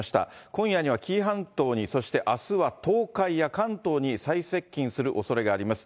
今夜には紀伊半島に、そして、あすは東海や関東に最接近するおそれがあります。